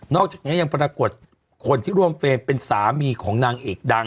อกจากนี้ยังปรากฏคนที่ร่วมเฟรมเป็นสามีของนางเอกดัง